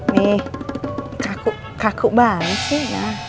nih kaku kaku banget sih